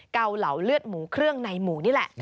เกาเหลาเลือดหมูเครื่องในหมูนี่แหละ